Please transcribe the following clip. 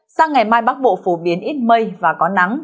sang ngày mai bắc bộ phổ biến ít mây và có nắng